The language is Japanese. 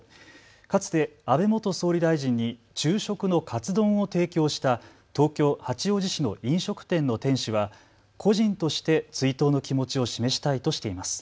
かつて安倍元総理大臣に昼食のカツ丼を提供した東京八王子市の飲食店の店主は個人として追悼の気持ちを示したいとしています。